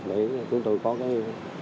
để chúng tôi có cái